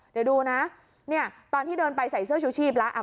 เดี๋ยวดูนะเนี่ยตอนที่เดินไปใส่เสื้อชูชีพแล้ว